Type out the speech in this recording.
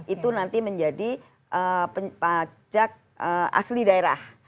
itu nanti menjadi pajak asli daerah